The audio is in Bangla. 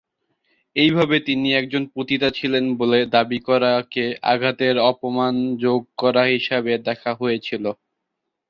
এইভাবে তিনি একজন পতিতা ছিলেন বলে দাবি করা কে আঘাতের অপমান যোগ করা হিসাবে দেখা হয়েছিল।